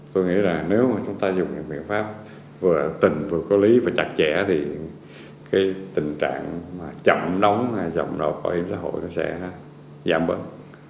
tôi nghĩ rằng nếu mà chúng ta dùng biện pháp vừa tình vừa có lý và chặt chẽ thì tình trạng chậm đóng chậm đột bảo hiểm xã hội sẽ giảm bớt